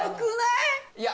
いや